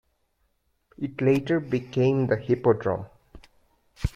It later became the Hippodrome.